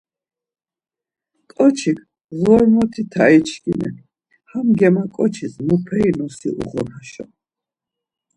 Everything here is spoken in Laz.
Ǩoçik, Ğormoti tai çkimi, ham Germaǩoçis muperi nosi uğun haşo.